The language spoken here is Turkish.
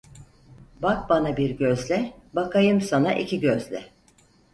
Bak bana bir gözle, bakayım sana iki gözle.